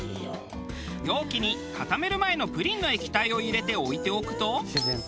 容器に固める前のプリンの液体を入れて置いておくと。